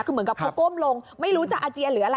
คือเหมือนกับเขาก้มลงไม่รู้จะอาเจียนหรืออะไร